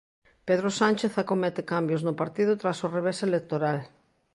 Pedro Sánchez acomete cambios no partido tras o revés electoral.